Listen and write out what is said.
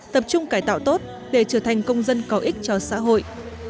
và chung cải tạo tốt để trở thành công dân có ích cho xã hội